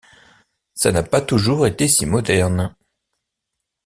Ça n’a pas toujours été si moderne.